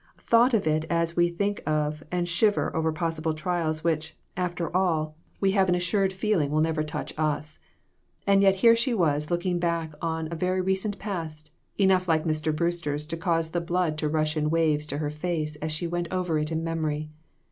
Thought of it as we think of and shiver over possible trials which, after all, we have an assured feeling will never CROSS LOTS. 195 touch us, and yet here she was looking back on a very recent past, enough like Mr. Brewster's to cause the blood to rush in waves to her face as she went over it in memory